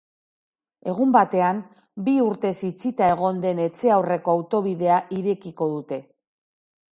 Egun batean, bi urtez itxita egon den etxe aurreko autobidea irekiko dute.